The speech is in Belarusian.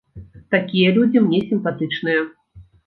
Такія людзі мне сімпатычныя.